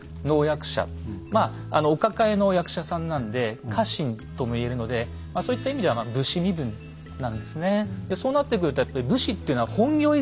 まあお抱えの役者さんなんで家臣とも言えるのでそういった意味では武士身分なんですね。